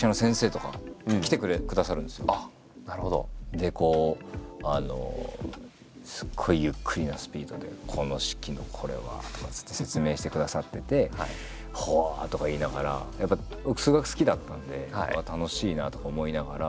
でこうすごいゆっくりなスピードで「この式のこれは」っつって説明してくださってて「ほう！」とか言いながらやっぱり僕数学好きだったんで楽しいなとか思いながら。